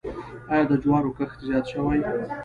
آیا د جوارو کښت زیات شوی؟